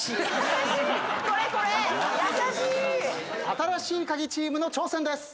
新しいカギチームの挑戦です。